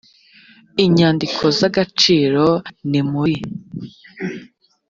inyandiko z agaciro ni muri